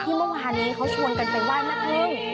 ที่เมื่อวานนี้เขาชวนไปว่ายแม่พึ่ง